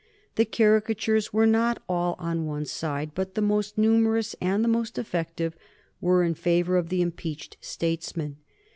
The caricatures were not all on one side, but the most numerous and the most effective were in favor of the impeached statesman.